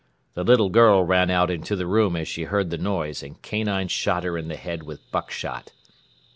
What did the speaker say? The little girl ran out into the room as she heard the noise and Kanine shot her in the head with buckshot.